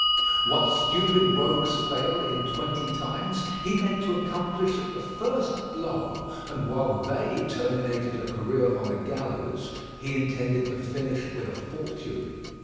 What stupid rogues fail in twenty times, he meant to accomplish at the first blow; and while they terminated a career on the gallows, he intended to finish with a fortune.